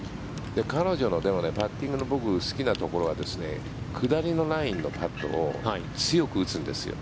彼女のパッティングの好きなところは下りのラインのパットを強く打つんですよ。